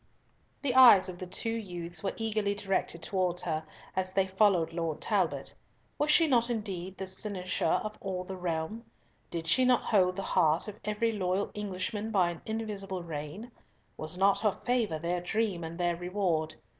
The eyes of the two youths were eagerly directed towards her, as they followed Lord Talbot. Was she not indeed the cynosure of all the realm? Did she not hold the heart of every loyal Englishman by an invisible rein? Was not her favour their dream and their reward?